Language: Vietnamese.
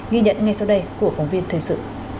ghi nhận ngay sau đây của phóng viên thời sự